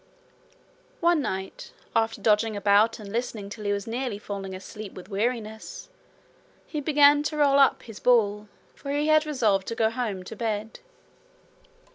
One night, after dodging about and listening till he was nearly falling asleep with weariness, he began to roll up his ball, for he had resolved to go home to bed.